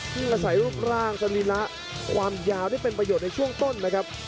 อาศัยรูปร่างสรีระความยาวที่เป็นประโยชน์ในช่วงต้นนะครับ